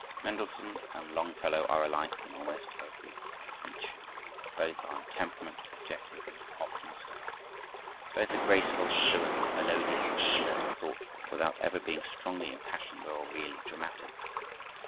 Mendelssohn and Longfellow are alike in almost every feature. Both are in temperament objective and optimistic. Both are graceful, fluent, melodious, tender, and thoughtful, without being ever strongly impassioned or really dramatic.